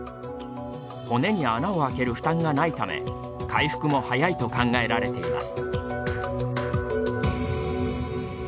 骨に穴を開ける負担がないため回復も早いと考えられています。